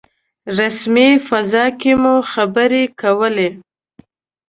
رسمي فضا کې مو خبرې کولې.